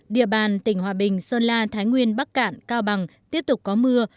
địa bàn tỉnh hòa bình sơn la thái nguyên bắc cạn cao bằng tiếp tục có mưa